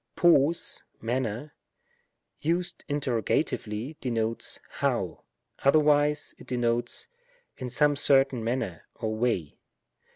nG}(;y manner ; used interrogatively, denotes "how ?" otherwise it denotes, " in some certain manner, or way."